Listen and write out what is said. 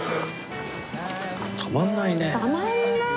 たまんない！